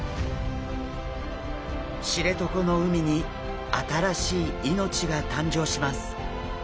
知床の海に新しい命が誕生します。